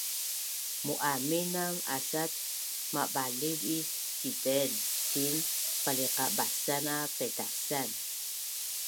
Mu’aminam asat mabaliv is citeng ciin paliqabasan a paitasan